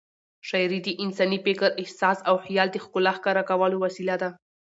شاعري د انساني فکر، احساس او خیال د ښکلا ښکاره کولو وسیله ده.